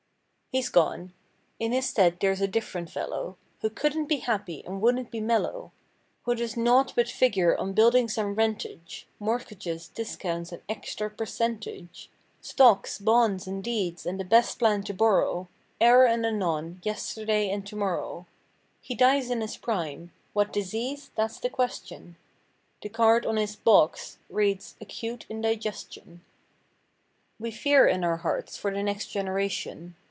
Heâs gone. In his stead thereâs a different fellow. Who couldnât be happy and wouldnât be mellow; Who does naught but figure on buildings and rent age. 190 Mortgages, discounts and extra percentage; Stocks, bonds and deeds and the best plan to borrow. Eâer and anon, yesterday and tomorrow. He dies in his prime. What disease? Thatâs the question. The card on his âboxâ readsââAcute Indigestion.â We fear in our hearts, for the next generation.